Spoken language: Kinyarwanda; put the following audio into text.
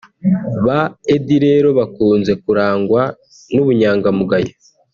Ba Eddie rero bakunze kurangwa n’ubunyangamugayo